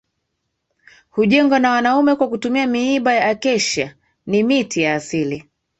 Hujengwa na wanaume kwa kutumia miiba ya acacia ni miti ya asili